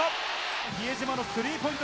比江島のスリーポイント